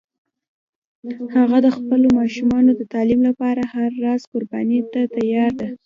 هغه د خپلو ماشومانو د تعلیم لپاره هر راز قربانی ته تیار ده